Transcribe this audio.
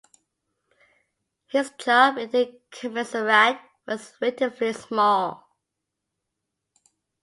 His job in the commissariat was relatively small.